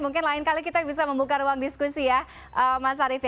mungkin lain kali kita bisa membuka ruang diskusi ya mas arief